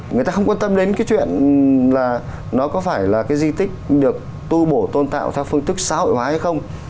người ta không quan tâm đến cái chuyện là nó có phải là cái di tích được tu bổ tôn tạo theo phương tức xã hội hóa hay không